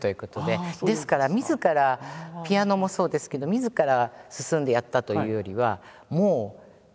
ですからみずからピアノもそうですけどみずから進んでやったというよりはもうなるほど。